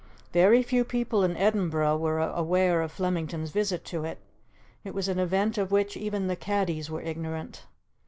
Very few people in Edinburgh were aware of Flemington's visit to it; it was an event of which even the caddies were ignorant.